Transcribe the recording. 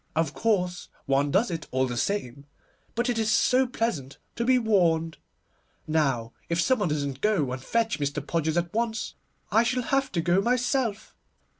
Of course, one does it all the same, but it is so pleasant to be warned. Now if some one doesn't go and fetch Mr. Podgers at once, I shall have to go myself.